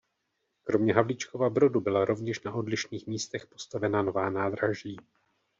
Kromě Havlíčkova Brodu byla rovněž na odlišných místech postavena nová nádraží.